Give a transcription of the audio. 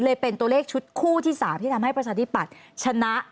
เป็นตัวเลขชุดคู่ที่๓ที่ทำให้ประชาธิปัตย์ชนะ